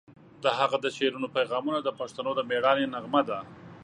د هغه د شعرونو پیغامونه د پښتنو د میړانې نغمه ده.